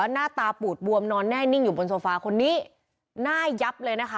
หน้าตาปูดบวมนอนแน่นิ่งอยู่บนโซฟาคนนี้หน้ายับเลยนะคะ